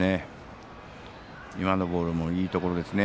今のボールもいいところですね。